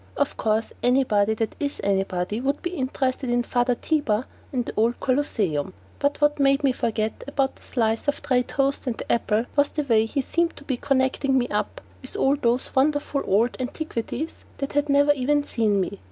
Of course, anybody that is anybody would be interested in Father Tiber and the old Colosseum, but what made me forget the one slice of dry toast and the apple was the way he seemed to be connecting me up with all those wonderful old antiquities that had never even seen me.